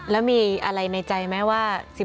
แล้วมีอะไรในใจไหมว่า